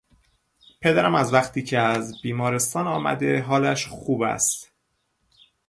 پدرم از وقتی که از بیمارستان آمده حالش خوب است.